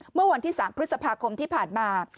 เมื่อวันที่๓พฤษภาคมที่ผ่านมา